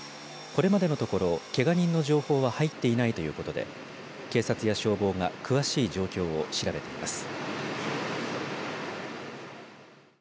これまでのところけが人の情報は入っていないということで警察や消防が詳しい状況を調べています。